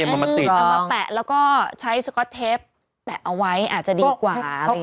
เอามาแปะแล้วก็ใช้สก๊อตเทปแปะเอาไว้อาจจะดีกว่า